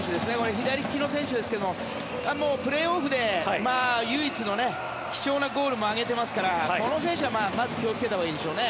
左利きの選手ですがプレーオフで唯一の貴重なゴールも挙げていますからこの選手はまず気をつけたほうがいいでしょうね。